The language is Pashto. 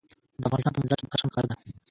د افغانستان په منظره کې بدخشان ښکاره ده.